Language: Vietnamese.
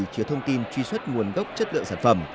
chứa thông tin truy xuất nguồn gốc chất lượng sản phẩm